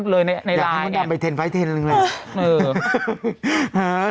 คือตอนนี้แสดงว่าเมื่อกี้ที่เล่าแล้วเนี่ย